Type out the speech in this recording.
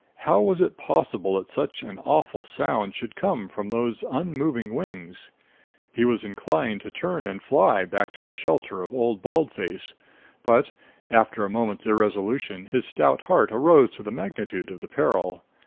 How was it possible that such an awful sound should come from those unmoving wings? He was inclined to turn and fly back to the shelter of Old Bald Face, but, after a moment's irresolution, his stout heart arose to the magnitude of the peril.